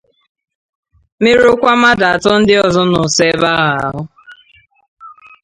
merụọkwa mmadụ atọ ndị ọzọ nọ nso ebe ahụ ahụ